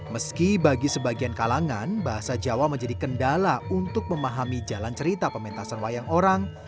meski bagi sebagian kalangan bahasa jawa menjadi kendala untuk memahami jalan cerita pementasan wayang orang